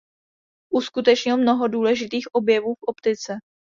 Uskutečnil mnoho důležitých objevů v optice.